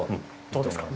どうですか？